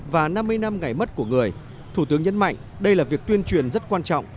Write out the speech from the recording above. và năm mươi năm ngày mất của người thủ tướng nhấn mạnh đây là việc tuyên truyền rất quan trọng